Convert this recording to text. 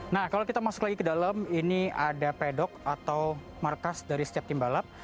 nah kalau kita masuk lagi ke dalam ini ada pedok atau markas dari setiap tim balap